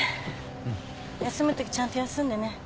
休むときちゃんと休んでね。